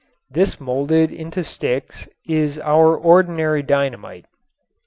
This molded into sticks is our ordinary dynamite.